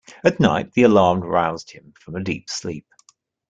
At night the alarm roused him from a deep sleep.